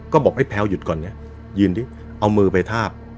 ก็บอกให้แพลวหยุดก่อนเนี่ยยืนดิเอามือไปทาบ